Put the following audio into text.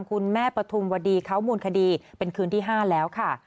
คุณแม่ปฐุมวดีเขามูลคดีเป็นคืนที่๕แล้วค่ะ